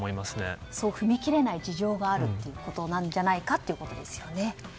そう踏み切れない事情があるんじゃないかということですね。